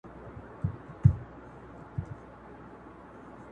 شاید د اختر تر ټولو لویه قرباني دا وي